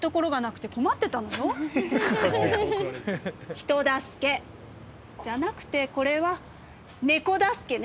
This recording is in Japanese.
人助けじゃなくてこれはネコ助けね。